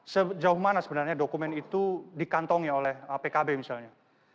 sejauh mana sebenarnya dokumen itu dikantongi oleh pkb misalnya